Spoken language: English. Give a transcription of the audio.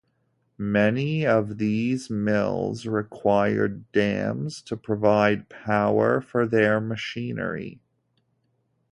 Many of these mills required dams to provide power for their machinery.